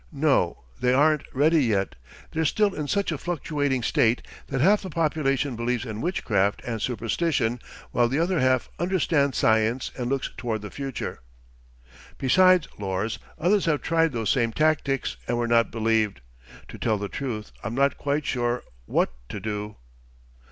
"No. They aren't ready yet. They're still in such a fluctuating state that half the population believes in witchcraft and superstition, while the other half understands science and looks toward the future. "Besides, Lors, others have tried those same tactics and were not believed. To tell the truth, I'm not quite sure what to do."